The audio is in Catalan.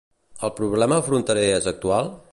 El problema fronterer és actual?